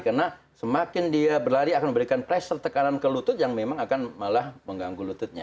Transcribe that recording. karena semakin dia berlari akan memberikan tekanan ke lutut yang memang akan malah mengganggu lututnya